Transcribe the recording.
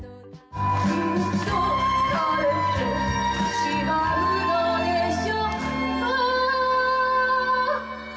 「きっと枯れてしまうのでしょう」